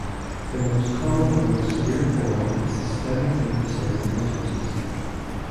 The most common and most severe form is systemic lupus erythematosus.